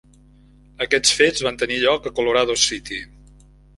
Aquests fets van tenir lloc a Colorado City.